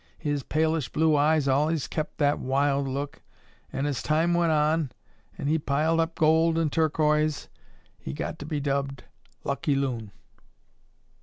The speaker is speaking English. His palish blue eyes allays kept that wild look, an', as time went on an' he piled up gold an' turquoise, he got to be dubbed 'Lucky Loon.